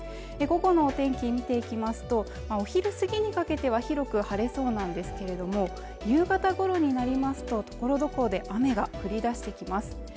午後のお天気見ていきますとお昼過ぎにかけては広く晴れそうなんですけれども夕方ごろになりますとところどころで雨が降り出してきます